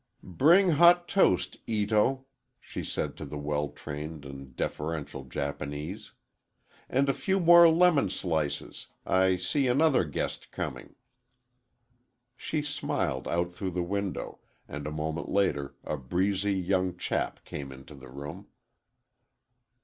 "Bring hot toast, Ito," she said to the well trained and deferential Japanese. "And a few more lemon slices,—I see another guest coming." She smiled out through the window, and a moment later a breezy young chap came into the room.